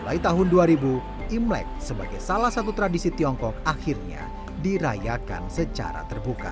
mulai tahun dua ribu imlek sebagai salah satu tradisi tiongkok akhirnya dirayakan secara terbuka